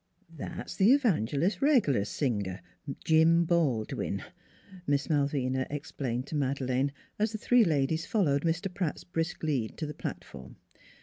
" That's th' evangelist's reg'lar singer, Jim Baldwin," Miss Malvina explained to Madeleine, as the three ladies followed Mr. Pratt's brisk lead to the platform.